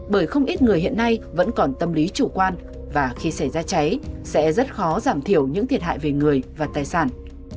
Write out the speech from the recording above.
bởi không ít người hiện nay vẫn còn tâm lý chủ quan và khi xảy ra cháy sẽ rất khó giảm thiểu những thiệt hại về người và tài sản